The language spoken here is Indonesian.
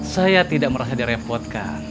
saya tidak merasa direpotkan